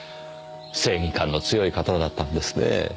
正義感の強い方だったんですねえ。